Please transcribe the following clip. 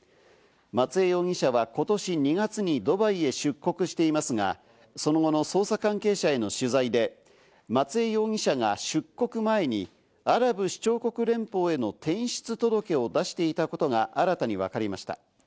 松江容疑者は今年２月にドバイへ出国していますが、その後の捜査関係者への取材で松江容疑者が出国前にアラブ首長国連邦への転出届を出していたことが新たに分かりました。